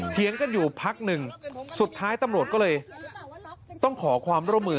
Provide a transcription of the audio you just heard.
เถียงกันอยู่พักหนึ่งสุดท้ายตำรวจก็เลยต้องขอความร่วมมือ